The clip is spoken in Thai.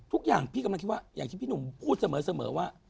ทุกอย่างพี่กำลังคิดว่าอย่างที่พี่หนุ่มพูดเสมอว่า